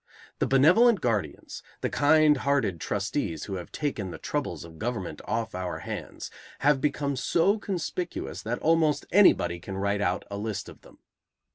The benevolent guardians, the kind hearted trustees who have taken the troubles of government off our hands, have become so conspicuous that almost anybody can write out a list of them.